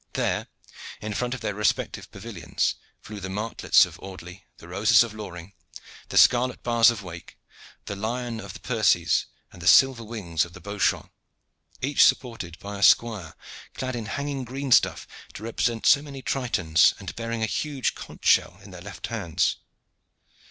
There, in front of their respective pavilions, flew the martlets of Audley, the roses of Loring, the scarlet bars of Wake, the lion of the Percies and the silver wings of the Beauchamps, each supported by a squire clad in hanging green stuff to represent so many Tritons, and bearing a huge conch shell in their left hands.